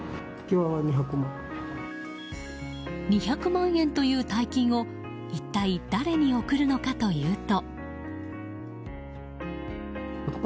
２００万円という大金を一体誰に送るのかというと。